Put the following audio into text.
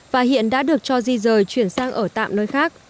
và hiện đã được cho di rời chuyển sang ở tạm nơi khác